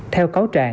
theo cáo trạng